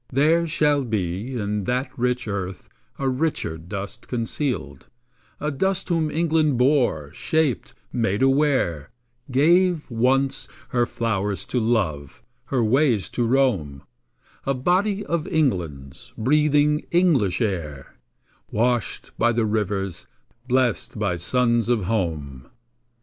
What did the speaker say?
There shall be In that rich earth a richer dust concealed; A dust whom England bore, shaped, made aware, Gave, once, her flowers to love, her ways to roam, A body of England's, breathing English air, Washed by the rivers, blest by suns of home.